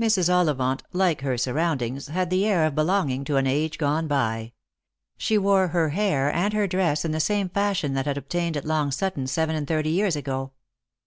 Mrs. Ollivant, like her surroundings, had the air of belonging to an age gone by. She wore her hair and her dress in the same fashion that had obtained at Long Sutton seven and thirty years ago.